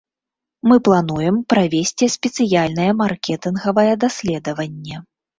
Мы плануем правесці спецыяльнае маркетынгавае даследаванне.